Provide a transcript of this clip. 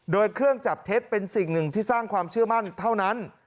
โดยเครื่องจับเท็จเป็นสิ่งหนึ่งที่สร้างความเชื่อมั่นเท่านั้น